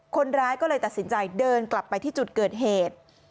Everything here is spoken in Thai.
คนร้ายก็เลยตัดสินใจเดินกลับไปที่จุดเกิดเหตุ